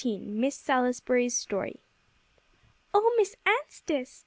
XIV MISS SALISBURY'S STORY "Oh Miss Anstice!"